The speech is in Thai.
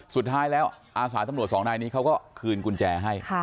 สุดท้ายแล้วอาสาตำรวจสองนายนี้เขาก็คืนกุญแจให้